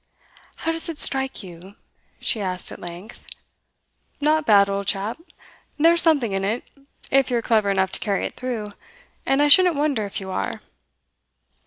'How does it strike you?' she asked at length. 'Not bad, old chap. There's something in it, if you're clever enough to carry it through. And I shouldn't wonder if you are.